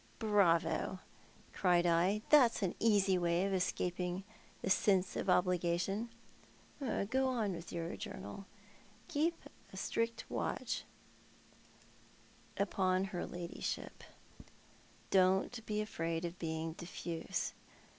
" Bravo !" cried I ;" that's an easy way of escaping the sense of obligation." ♦' Go on with yoar journal. Keep a strict watch upon her 2 24 ThoiL art the Man. ladyship. Don't ba afraid of being diffase.